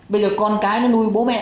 bây giờ con cái nó nuôi bố mẹ